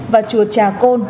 và chùa trà côn